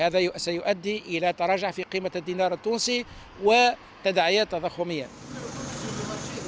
ini akan menyebabkan kembang di harga di dunia dan tanda yang besar